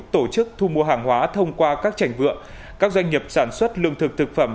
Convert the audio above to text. tổ chức thu mua hàng hóa thông qua các trành vựa các doanh nghiệp sản xuất lương thực thực phẩm